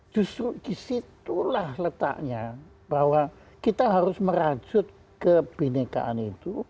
justru disitulah letaknya bahwa kita harus merajut kebenekaan itu